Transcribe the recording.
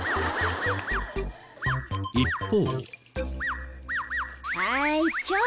一方。